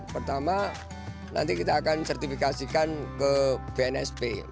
pertama nanti kita akan sertifikasikan ke bnsp